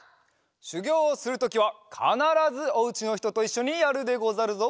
しゅぎょうをするときはかならずおうちのひとといっしょにやるでござるぞ。